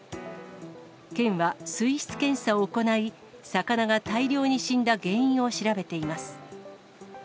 県は水質検査を行い、魚が大量に死んだ原因を調べています。